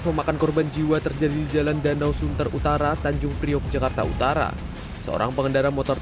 yang penumpang ini melajukan motornya dari arah kelapa gading menuju ke mayoran